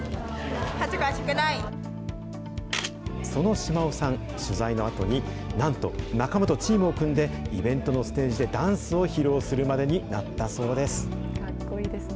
その嶋尾さん、取材のあとになんと仲間とチームを組んで、イベントのステージでダンスを披露するまでになったそうです。